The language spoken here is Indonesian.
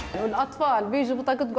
ketika anak anak datang mereka berkata